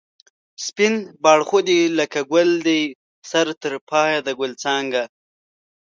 سپین باړخو دی لکه گل دی سر تر پایه د گل څانگه